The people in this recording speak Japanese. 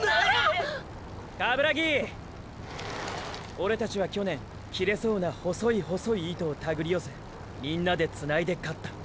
オレたちは去年切れそうな細い細い糸を手繰り寄せみんなでつないで勝った。